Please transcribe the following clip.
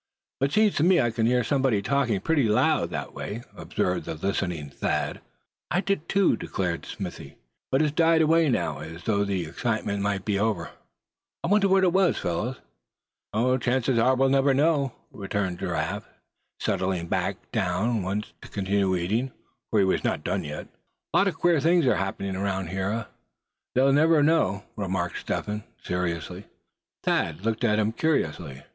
"But seems to me I can hear somebody talking pretty loud that way," observed the listening Thad. "I did too," declared Smithy; "but it's died away now, as though the excitement might be over. I wonder what it was, fellows?" "Chances are, we'll never know," returned Giraffe, settling back once more to continue eating, for he was not yet through. "Lots of queer things are happening all around us, that we'll never know," remarked Step Hen, seriously. Thad looked at him curiously.